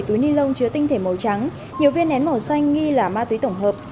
một túi ni lông chứa tinh thể màu trắng nhiều viên nén màu xanh nghi là ma túy tổng hợp